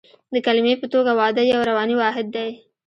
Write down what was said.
د کلمې په توګه واده یو رواني واحد دی